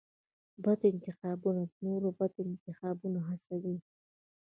بد انتخابونه نور بد انتخابونه هڅوي.